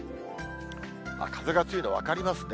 風が強いの分かりますね。